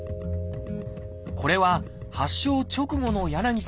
これは発症直後の柳さんの写真。